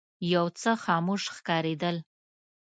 یو څه خاموش ښکارېدل.